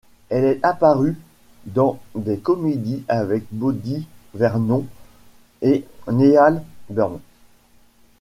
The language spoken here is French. Elle est apparue dans des comédies avec Bobby Vernon et Neal Burns.